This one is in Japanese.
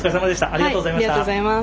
ありがとうございます。